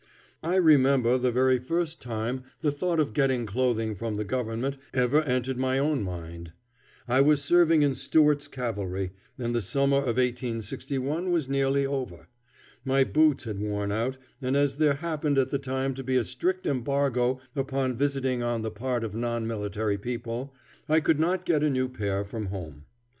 I remember the very first time the thought of getting clothing from the government ever entered my own mind. I was serving in Stuart's cavalry, and the summer of 1861 was nearly over. My boots had worn out, and as there happened at the time to be a strict embargo upon all visiting on the part of non military people, I could not get a new pair from home.